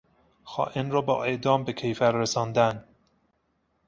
خائن را با اعدام به کیفر رساندن